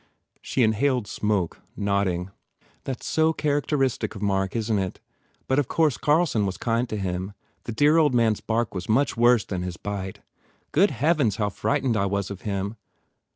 She inhaled smoke, nodding. "That s so characteristic of Mark, isn t it? 123 THE FAIR REWARDS But of course, Carlson was kind to him. The dear old man s bark was much worse than his bite. Good heavens how frightened I was of him